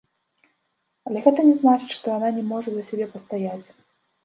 Але гэта не значыць, што яна не можа за сябе пастаяць.